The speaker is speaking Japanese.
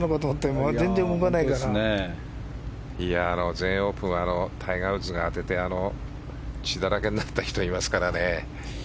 全英オープンはタイガー・ウッズが出て血だらけになった人がいますからね。